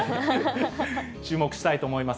注目したいと思います。